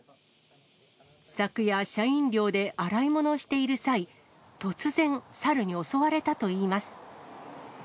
昨夜、社員寮で洗い物をしている際、突然、サルに襲われたといいます。